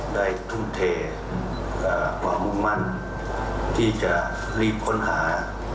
ได้ทุ่มเผยกว่ามุมมั่นที่จะรีบค้นหา